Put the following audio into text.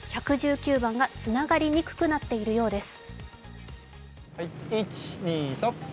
１１９番がつながりにくくなっているようです。